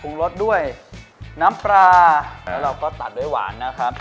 รสด้วยน้ำปลาแล้วเราก็ตัดด้วยหวานนะครับ